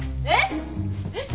えっ！？